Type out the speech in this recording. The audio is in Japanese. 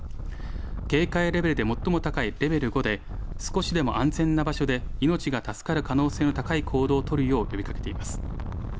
警戒レベルで最も高いレベル５で、少しでも安全な場所で命が助かる可能性が高い行動を取るよう呼びかけています。